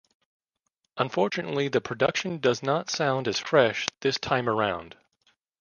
Unfortunately the production does not sound as fresh this time around.